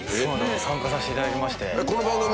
参加させていただきまして。